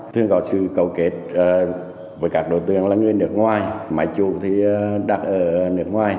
thường có sự cấu kết với các đối tượng là người nước ngoài máy chủ thì đặt ở nước ngoài